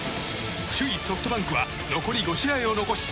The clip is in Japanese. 首位ソフトバンクは残り５試合を残し